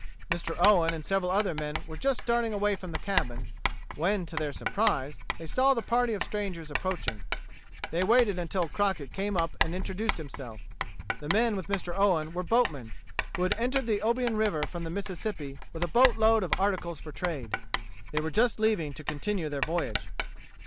Mr. Owen and several other men were just starting away from the cabin, when, to their surprise, they saw the party of strangers approaching. They waited until Crockett came up and introduced himself. The men with Mr. Owen were boatmen, who had entered the Obion River from the Mississippi with a boat load of articles for trade. They were just leaving to continue their voyage.